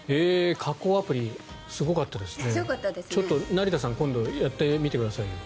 加工アプリ、すごかったですね。